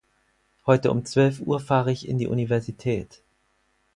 Heute um zwölf Uhr fahre ich in die Universität.